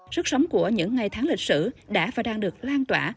sức sống của những ngày tháng lịch sử đã và đang được lan tỏa